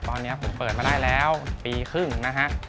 ตอนนี้ผมเปิดมาได้แล้วปีครึ่งนะฮะ